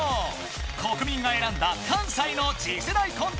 国民が選んだ関西の次世代コント